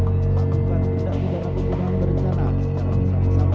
lakukan tidak tidak apapun yang berencana secara bersama sama